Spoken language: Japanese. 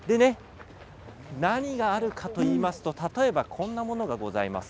何があるかといいますと、例えばこんなものがございます。